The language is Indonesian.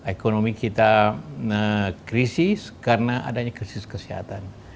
ekonomi kita krisis karena adanya krisis kesehatan